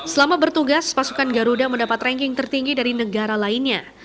selama bertugas pasukan garuda mendapat ranking tertinggi dari negara lainnya